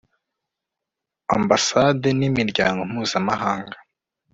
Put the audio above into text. ambasade n imiryango mpuzamahanga